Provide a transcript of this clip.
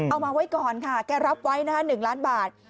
เอาไว้ก่อนค่ะแกรับไว้นะคะ๑ล้านบาท